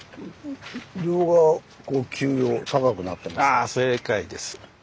ああ正解です。